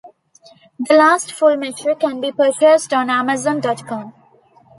"The Last Full Measure" can be purchased on Amazon dot com.